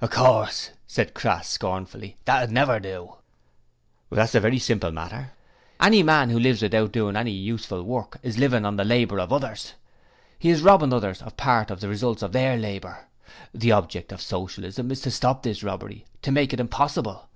'Of course,' said Crass, scornfully. 'It would never do!' 'That's a very simple matter; any man who lives without doing any useful work is living on the labour of others, he is robbing others of part of the result of their labour. The object of Socialism is to stop this robbery, to make it impossible.